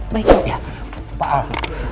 baik ya pak al